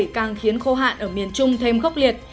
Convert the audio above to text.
càng khiến khô hạn ở miền trung thêm khốc liệt